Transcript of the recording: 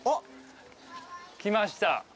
来ました